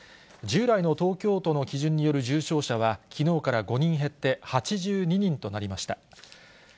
従来の東京都の基準による重症者はきのうから５人減って８２人となりました。